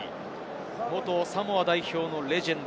元サモア代表のレジェンド。